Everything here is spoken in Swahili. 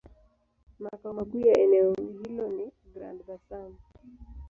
Makao makuu ya eneo hilo ni Grand-Bassam.